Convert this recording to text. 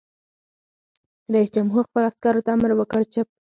رئیس جمهور خپلو عسکرو ته امر وکړ؛ چپ!